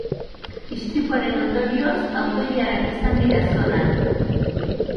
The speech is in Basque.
Istripuaren ondorioz, auto-ilarak izan dira zonan.